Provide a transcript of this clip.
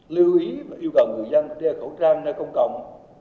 lưu ý và yêu cầu người dân đeo khẩu trang ra công cộng